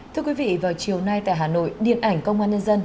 thưa quý vị vào chiều nay tại hà nội điện ảnh công an nhân dân